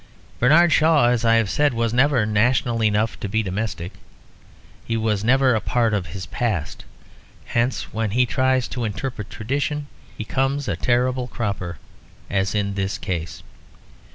Bernard Shaw, as I have said, was never national enough to be domestic; he was never a part of his past; hence when he tries to interpret tradition he comes a terrible cropper, as in this case.